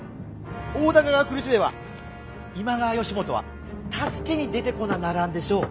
大高が苦しめば今川義元は助けに出てこなならんでしょう。